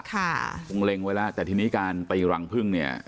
คงเล็งไว้แล้วแต่ทีนี้การตีรังพึ่งเนี่ย